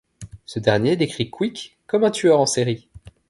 Ce dernier décrit Quick comme un tueur en série.